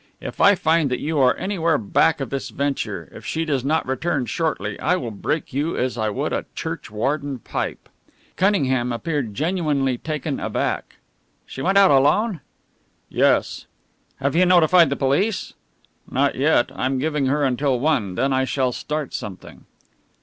If I find that you are anywhere back of this venture if she does not return shortly I will break you as I would a churchwarden pipe." Cunningham appeared genuinely taken aback. "She went out alone?" "Yes." "Have you notified the police?" "Not yet. I'm giving her until one; then I shall start something."